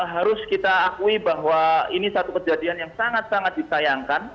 harus kita akui bahwa ini satu kejadian yang sangat sangat disayangkan